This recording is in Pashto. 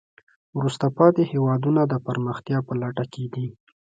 وروسته پاتې هېوادونه د پرمختیا په لټه کې دي.